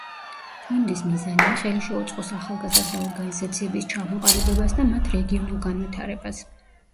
ფონდის მიზანია, ხელი შეუწყოს ახალგაზრდა ორგანიზაციების ჩამოყალიბებას და მათ რეგიონულ განვითარებას.